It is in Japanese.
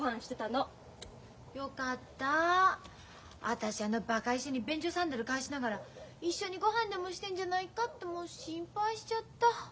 私あのバカ医者に便所サンダル返しながら一緒にごはんでもしてんじゃないかってもう心配しちゃった。